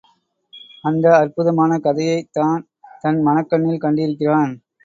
அந்த அற்புதமான கதையைத் தான் தன் மனக் கண்ணில் கண்டிருக்கிறான்.